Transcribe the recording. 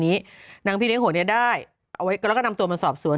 คนนี้นะนางมะยุรีนี้นางพี่เลี้ยงหัวเนี้ยได้เอาไว้ก็แล้วก็นำตัวมาสอบสวน